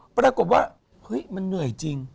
ปรากฏว่าเฮ้ยมันเหนื่อยจริง